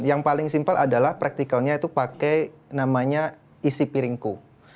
yang paling simpel adalah practicalnya itu pakai namanya isi piringku